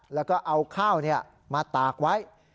แล้วก็เอาข้าวมาตากไว้